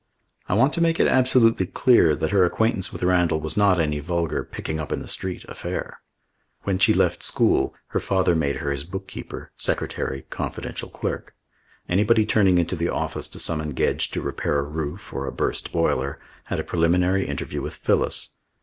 I want to make it absolutely clear that her acquaintance with Randall was not any vulgar picking up in the street affair. When she left school, her father made her his book keeper, secretary, confidential clerk. Anybody turning into the office to summon Gedge to repair a roof or a burst boiler had a preliminary interview with Phyllis.